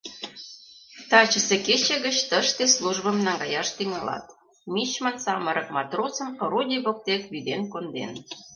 — Тачысе кече гыч тыште службым наҥгаяш тӱҥалат, — мичман самырык матросым орудий воктек вӱден конден.